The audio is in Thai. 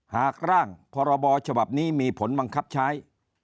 หากร่างพรบฉบับนี้มีผลบังคับใช้